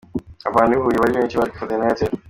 Abantu i Huye bari benshi baje kwifatanya na Airtel.